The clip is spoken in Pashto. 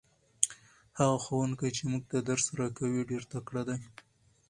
هغه ښوونکی چې موږ ته درس راکوي ډېر تکړه دی.